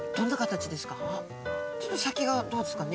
ちょっと先がどうですかね